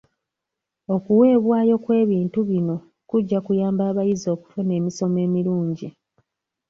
Okuweebwayo kw'ebintu bino kujja kuyamba abayizi okufuna emisomo emirungi.